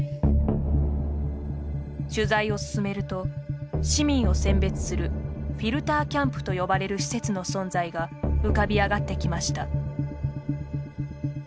取材を進めると市民を選別するフィルターキャンプと呼ばれる施設の存在が浮かび上がってきました。